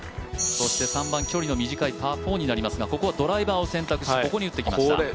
３番、距離の短いパー４になりますが、ドライバーを選択してここに打ってきました。